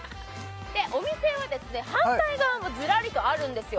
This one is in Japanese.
お店は反対側もズラリとあるんですよ。